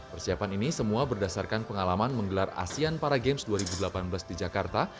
persiapan ini semua berdasarkan pengalaman menggelar asean para games dua ribu delapan belas di jakarta